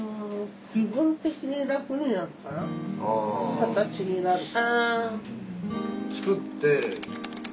形になると。